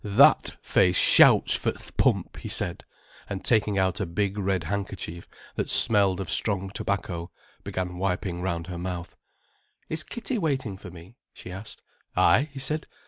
"That face shouts for th' pump," he said, and taking out a big red handkerchief, that smelled of strong tobacco, began wiping round her mouth. "Is Kitty waiting for me?" she asked. "Ay," he said.